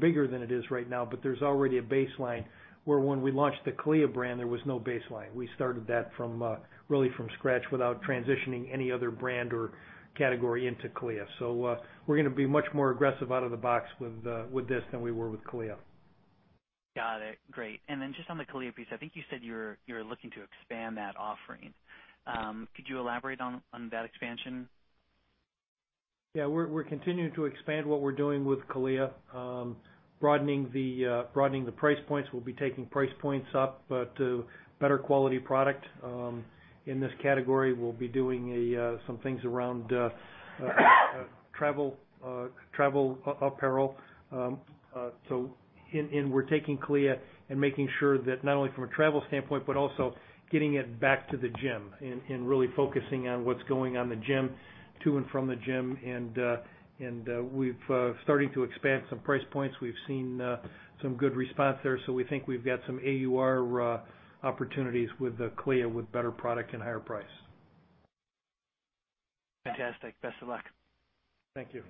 S3: bigger than it is right now, but there's already a baseline where when we launched the CALIA brand, there was no baseline. We started that really from scratch without transitioning any other brand or category into CALIA. We're going to be much more aggressive out of the box with this than we were with CALIA.
S15: Got it. Great. Just on the CALIA piece, I think you said you're looking to expand that offering. Could you elaborate on that expansion?
S3: We're continuing to expand what we're doing with CALIA, broadening the price points. We'll be taking price points up, but to better quality product. In this category, we'll be doing some things around travel apparel. We're taking CALIA and making sure that not only from a travel standpoint, but also getting it back to the gym and really focusing on what's going on the gym, to and from the gym, and we're starting to expand some price points. We've seen some good response there. We think we've got some AUR opportunities with CALIA, with better product and higher price.
S15: Fantastic. Best of luck.
S3: Thank you.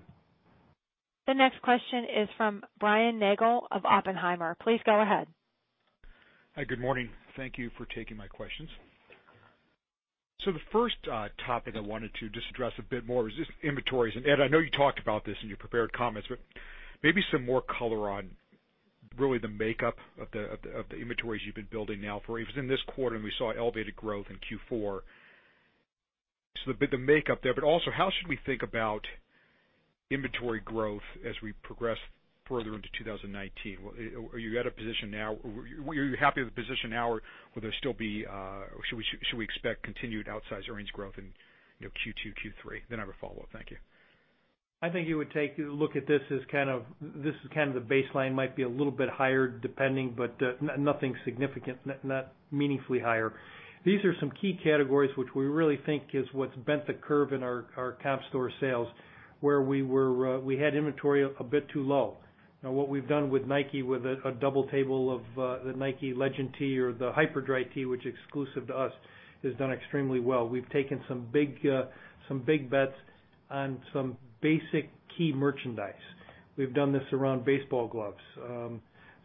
S1: The next question is from Brian Nagel of Oppenheimer. Please go ahead.
S16: Hi, good morning. Thank you for taking my questions. The first topic I wanted to just address a bit more was just inventories. Ed, I know you talked about this in your prepared comments, but maybe some more color on really the makeup of the inventories you've been building now for even this quarter, and we saw elevated growth in Q4. A bit the makeup there, but also how should we think about inventory growth as we progress further into 2019? Are you happy with the position now or should we expect continued outsized earnings growth in Q2, Q3? I have a follow-up. Thank you.
S3: I think you would take a look at this as kind of, this is kind of the baseline. Might be a little bit higher depending, but nothing significant, not meaningfully higher. These are some key categories which we really think is what's bent the curve in our comp store sales, where we had inventory a bit too low. What we've done with Nike, with a double table of the Nike Legend tee or the Hyperdry tee, which exclusive to us, has done extremely well. We've taken some big bets on some basic key merchandise. We've done this around baseball gloves.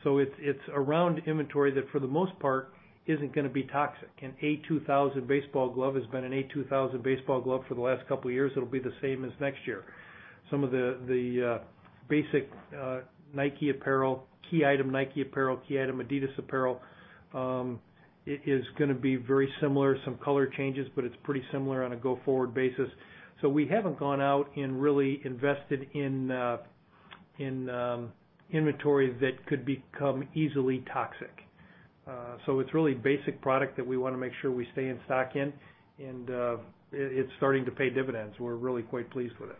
S3: It's around inventory that, for the most part, isn't going to be toxic. An A2000 baseball glove has been an A2000 baseball glove for the last couple of years, it'll be the same as next year. Some of the basic Nike apparel, key item Nike apparel, key item adidas apparel, it is going to be very similar. Some color changes, but it's pretty similar on a go-forward basis. We haven't gone out and really invested in inventory that could become easily toxic. It's really basic product that we want to make sure we stay in stock in, and it's starting to pay dividends. We're really quite pleased with it.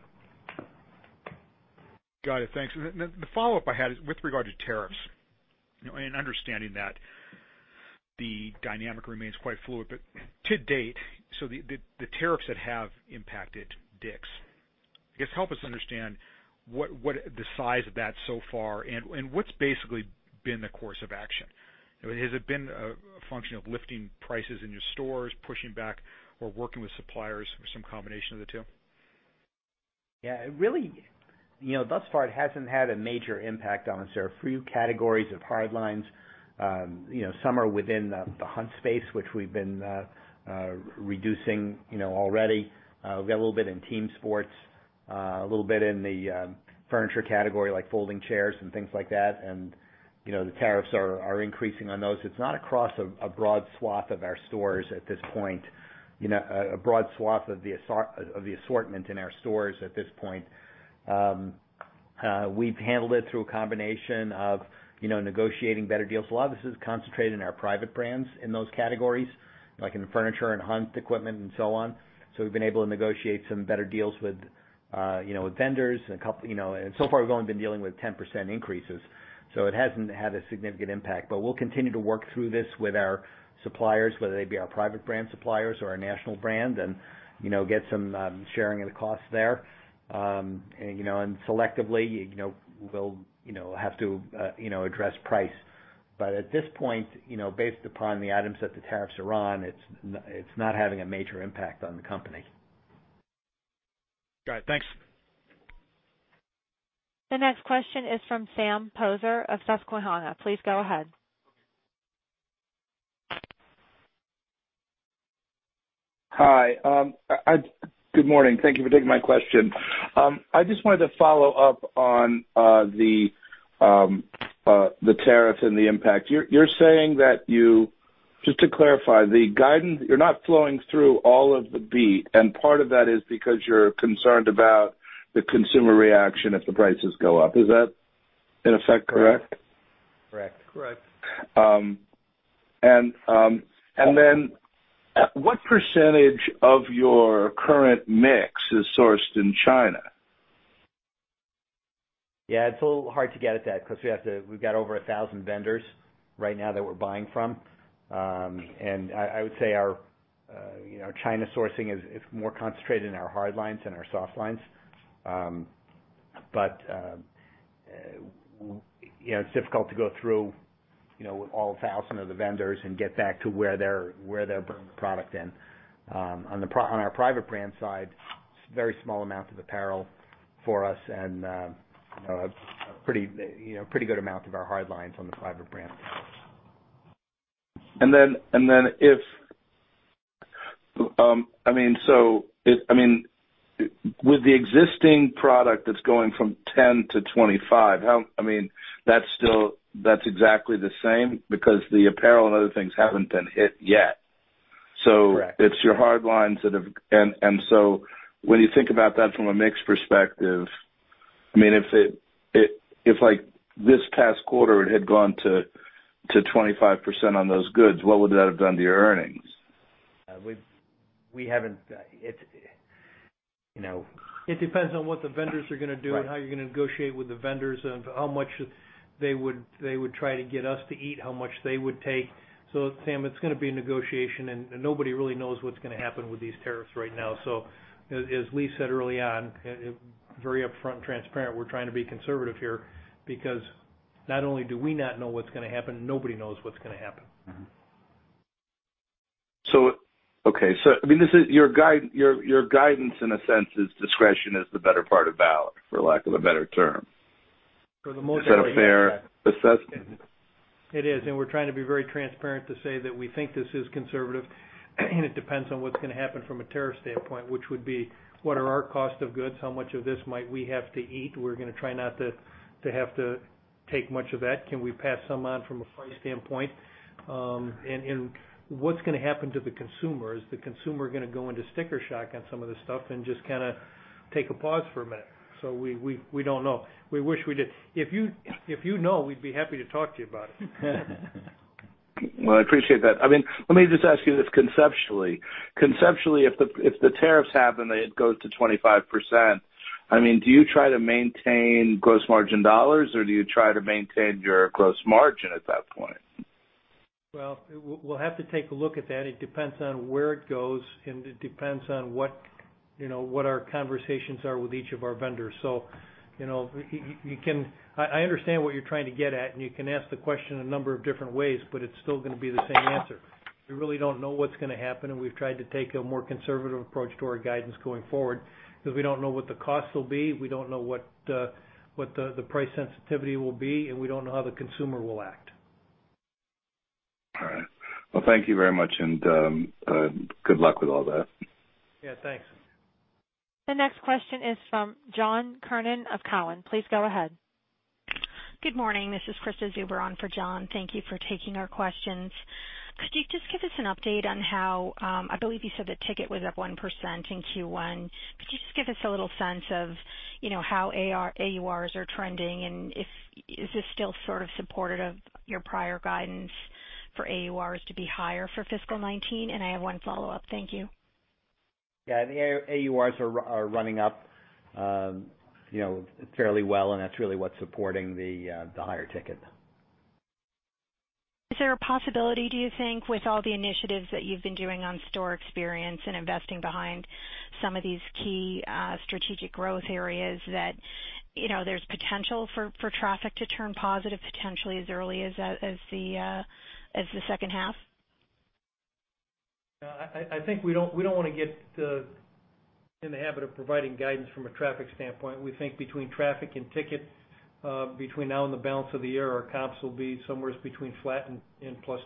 S16: Got it. Thanks. The follow-up I had is with regard to tariffs. Understanding that the dynamic remains quite fluid, but to date, so the tariffs that have impacted DICK'S, I guess, help us understand what the size of that so far and what's basically been the course of action. Has it been a function of lifting prices in your stores, pushing back or working with suppliers, or some combination of the two?
S5: Yeah. Really, thus far, it hasn't had a major impact on us. There are a few categories of hard lines. Some are within the hunt space, which we've been reducing already. We've got a little bit in team sports, a little bit in the furniture category, like folding chairs and things like that, and the tariffs are increasing on those. It's not across a broad swath of our stores at this point, a broad swath of the assortment in our stores at this point. We've handled it through a combination of negotiating better deals. A lot of this is concentrated in our private brands in those categories, like in furniture and hunt equipment and so on. We've been able to negotiate some better deals with vendors and so far, we've only been dealing with 10% increases, so it hasn't had a significant impact. We'll continue to work through this with our suppliers, whether they be our private brand suppliers or our national brand, and get some sharing of the costs there. Selectively, we'll have to address price. At this point, based upon the items that the tariffs are on, it's not having a major impact on the company.
S16: Got it. Thanks.
S1: The next question is from Sam Poser of Susquehanna. Please go ahead.
S17: Hi. Good morning. Thank you for taking my question. I just wanted to follow up on the tariff and the impact. You're saying that, just to clarify, the guidance, you're not flowing through all of the beat, and part of that is because you're concerned about the consumer reaction if the prices go up. Is that in effect correct?
S5: Correct.
S3: Correct.
S17: What % of your current mix is sourced in China?
S5: Yeah, it's a little hard to get at that because we've got over 1,000 vendors right now that we're buying from. I would say our China sourcing is more concentrated in our hard lines than our soft lines. It's difficult to go through with all 1,000 of the vendors and get back to where they're bringing the product in. On our private brand side, very small amount of apparel for us, and a pretty good amount of our hard lines on the private brand side.
S17: With the existing product that's going from 10%-25%, that's exactly the same because the apparel and other things haven't been hit yet.
S5: Correct.
S17: It's your hard lines that have. When you think about that from a mix perspective, if this past quarter it had gone to 25% on those goods, what would that have done to your earnings?
S5: We haven't.
S3: It depends on what the vendors are going to do.
S5: Right
S3: How you're going to negotiate with the vendors and how much they would try to get us to eat, how much they would take. Sam, it's going to be a negotiation, and nobody really knows what's going to happen with these tariffs right now. As Lee said early on, very upfront and transparent, we're trying to be conservative here because not only do we not know what's going to happen, nobody knows what's going to happen.
S17: Okay. Your guidance in a sense is discretion is the better part of valor, for lack of a better term.
S3: For the most part.
S17: Is that a fair assessment?
S3: It is, we're trying to be very transparent to say that we think this is conservative, it depends on what's going to happen from a tariff standpoint, which would be what are our cost of goods, how much of this might we have to eat? We're going to try not to have to take much of that. Can we pass some on from a price standpoint? What's going to happen to the consumer? Is the consumer going to go into sticker shock on some of this stuff and just kind of take a pause for a minute? We don't know. We wish we did. If you know, we'd be happy to talk to you about it.
S17: Well, I appreciate that. Let me just ask you this conceptually. Conceptually, if the tariffs happen, they go to 25%, do you try to maintain gross margin dollars, or do you try to maintain your gross margin at that point?
S3: Well, we'll have to take a look at that. It depends on where it goes, and it depends on what our conversations are with each of our vendors. I understand what you're trying to get at, and you can ask the question a number of different ways, but it's still going to be the same answer. We really don't know what's going to happen, and we've tried to take a more conservative approach to our guidance going forward because we don't know what the costs will be, we don't know what the price sensitivity will be, and we don't know how the consumer will act.
S17: All right. Well, thank you very much, and good luck with all that.
S3: Yeah, thanks.
S1: The next question is from John Kernan of Cowen. Please go ahead.
S18: Good morning. This is Krista Zuber on for John. Thank you for taking our questions. Could you just give us an update on how I believe you said the ticket was up 1% in Q1. Could you just give us a little sense of how AURs are trending, and is this still sort of supportive of your prior guidance for AURs to be higher for fiscal 2019? I have one follow-up. Thank you.
S5: Yeah. The AURs are running up fairly well, and that's really what's supporting the higher ticket.
S18: Is there a possibility, do you think, with all the initiatives that you've been doing on store experience and investing behind some of these key strategic growth areas, that there's potential for traffic to turn positive potentially as early as the second half?
S3: No. I think we don't want to get in the habit of providing guidance from a traffic standpoint. We think between traffic and ticket, between now and the balance of the year, our comps will be somewhere between flat and +2%.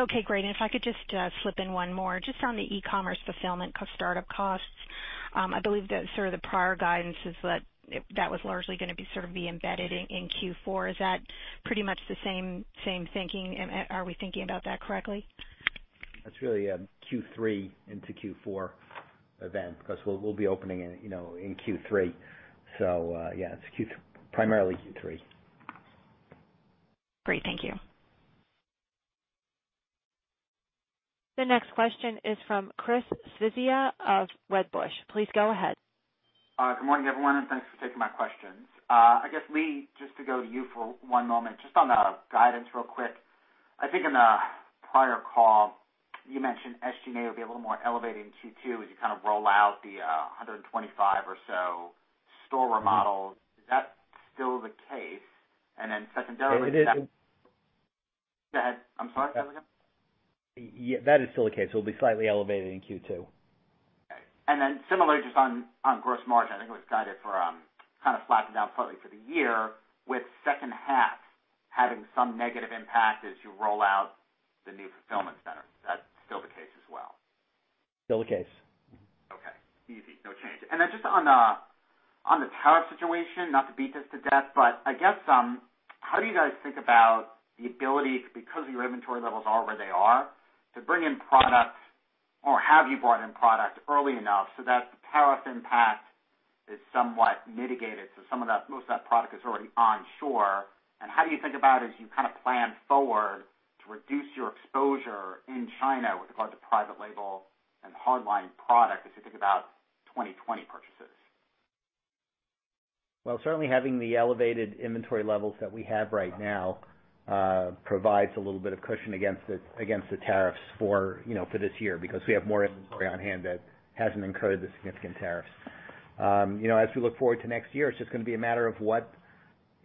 S18: Okay, great. If I could just slip in one more, just on the e-commerce fulfillment startup costs. I believe that sort of the prior guidance is that that was largely going to be embedded in Q4. Is that pretty much the same thinking? Are we thinking about that correctly?
S5: That's really a Q3 into Q4 event because we'll be opening in Q3. Yeah, it's primarily Q3.
S18: Great. Thank you.
S1: The next question is from Christopher Svezia of Wedbush. Please go ahead.
S19: Good morning, everyone, and thanks for taking my questions. I guess, Lee, just to go to you for one moment, just on the guidance real quick. I think in a prior call, you mentioned SG&A will be a little more elevated in Q2 as you kind of roll out the 125 or so store remodels. Is that still the case? Secondarily-
S5: It is.
S19: Go ahead. I'm sorry, say that again?
S5: Yeah, that is still the case. It will be slightly elevated in Q2.
S19: Okay. Then similarly, just on gross margin, I think it was guided for kind of flattening out slightly for the year with second half having some negative impact as you roll out the new fulfillment center. Is that still the case as well?
S5: Still the case.
S19: Okay. Easy. No change. Then just on the tariff situation, not to beat this to death, but I guess, how do you guys think about the ability, because your inventory levels are where they are, to bring in product, or have you brought in product early enough so that the tariff impact is somewhat mitigated, so most of that product is already onshore? How do you think about, as you kind of plan forward, to reduce your exposure in China with regards to private label and hard line product as you think about 2020 purchases?
S5: Well, certainly having the elevated inventory levels that we have right now provides a little bit of cushion against the tariffs for this year because we have more inventory on hand that hasn't incurred the significant tariffs. As we look forward to next year, it's just going to be a matter of what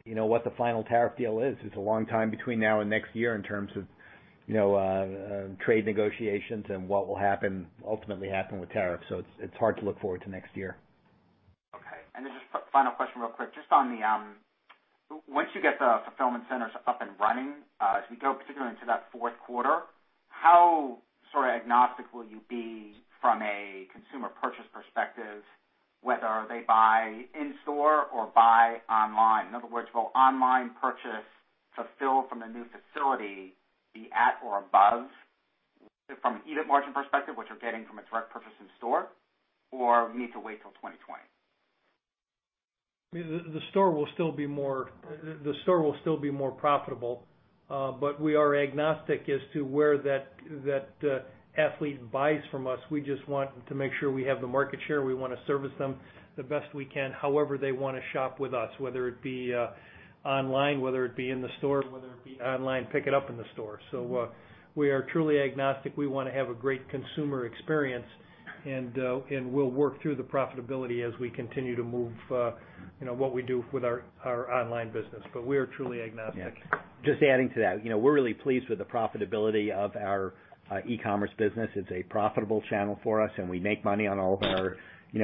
S5: the final tariff deal is. It's a long time between now and next year in terms of trade negotiations and what will ultimately happen with tariffs. It's hard to look forward to next year.
S19: Okay. Just final question real quick. Once you get the fulfillment centers up and running, as we go particularly into that fourth quarter, how agnostic will you be from a consumer purchase perspective, whether they buy in store or buy online? In other words, will online purchase fulfilled from the new facility be at or above from an EBIT margin perspective, what you're getting from a direct purchase in store, or we need to wait till 2020?
S3: The store will still be more profitable. We are agnostic as to where that athlete buys from us. We just want to make sure we have the market share. We want to service them the best we can, however they want to shop with us, whether it be online, whether it be in the store, whether it be online, pick it up in the store. We are truly agnostic. We want to have a great consumer experience, and we'll work through the profitability as we continue to move what we do with our online business. We are truly agnostic.
S5: Yeah. Just adding to that. We're really pleased with the profitability of our e-commerce business. It's a profitable channel for us, and we make money on all of our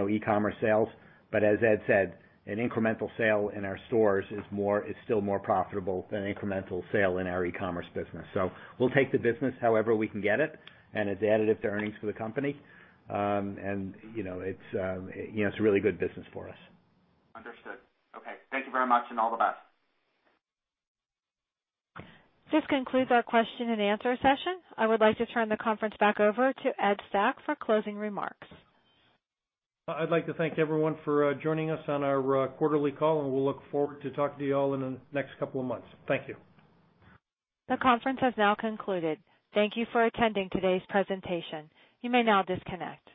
S5: e-commerce sales. As Ed said, an incremental sale in our stores is still more profitable than incremental sale in our e-commerce business. We'll take the business however we can get it, and it's additive to earnings for the company. It's really good business for us.
S19: Understood. Okay. Thank you very much, and all the best.
S1: This concludes our question and answer session. I would like to turn the conference back over to Ed Stack for closing remarks.
S3: I'd like to thank everyone for joining us on our quarterly call, and we'll look forward to talking to you all in the next couple of months. Thank you.
S1: The conference has now concluded. Thank you for attending today's presentation. You may now disconnect.